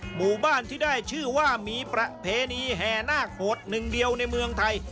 หมู่บ้านที่ได้ชื่อว่ามีประเพณีแห่นาคโหดหนึ่งเดียวในเมืองไทย